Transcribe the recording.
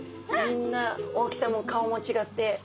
みんな大きさも顔も違って。